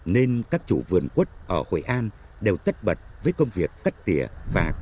nên các chủ vườn quất ở hội an đều tất bật với công việc tất tỉa và tất bật